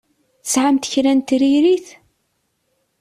Tesɛamt kra n tiririt?